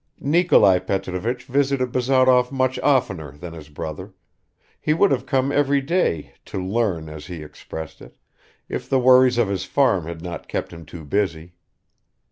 Nikolai Petrovich visited Bazarov much oftener than his brother; he would have come every day "to learn," as he expressed it, if the worries of his farm had not kept him too busy.